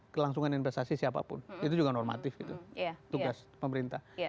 kelangsungan investasi siapapun itu juga normatif gitu tugas pemerintah